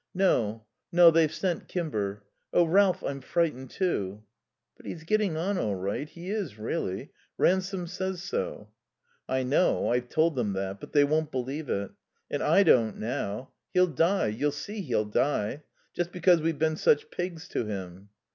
"No. No. They've sent Kimber. Oh, Ralph, I'm frightened, too." "But he's getting on all right. He is really. Ransome says so." "I know. I've told them that. But they won't believe it. And I don't now. He'll die: you'll see he'll die. Just because we've been such pigs to him."